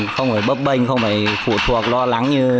không phải bấp bênh không phải phụ thuộc lo lắng như